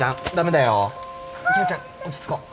紀來ちゃん落ち着こう。